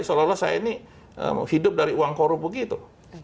seolah olah saya ini hidup dari uang korup begitu